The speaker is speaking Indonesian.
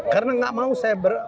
karena enggak mau saya